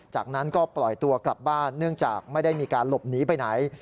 จากนั้นก็ปล่อยตัวกลับบ้านเนื่องจากไม่ได้มีการหลบหนีไปไหน